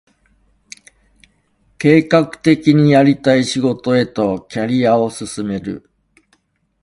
計画的にやりたい仕事へとキャリアを進める